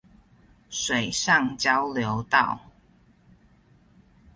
水上交流道